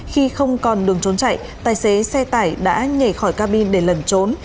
khi không còn đường trốn chạy tài xế xe tải đã nhảy khỏi cabin để lẩn trốn